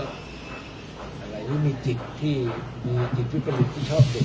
อะไรที่มีจิตที่มีจิตที่ผลิตที่ชอบเกิดการณ์